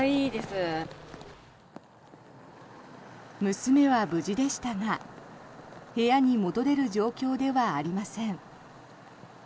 娘は無事でしたが部屋に戻れる状況ではありません。